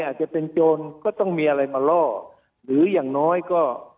อาจจะเป็นโจรก็ต้องมีอะไรมาล่อหรืออย่างน้อยก็